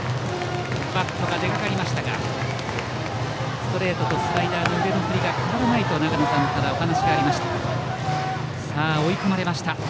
バットが出かかりましたがストレートをスライダーの腕の振りが変わらないと長野さんからお話がありました。